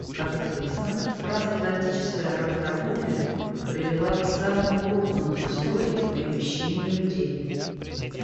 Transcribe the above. Как известно, трансатлантическая работорговля привела к самому крупному в истории перемещению людей.